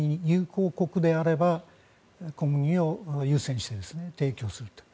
好国であれば小麦を優先して提供すると。